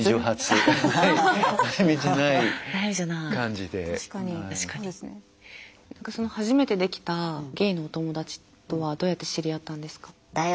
その初めてできたゲイのお友達とはどうやって知り合ったんですか？